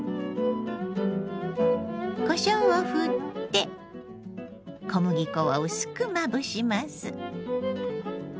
こしょうをふって小麦粉を薄くまぶします。